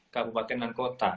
kabupaten dan kota